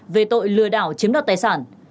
về tội lừa đảo chiếm đoạt tài sản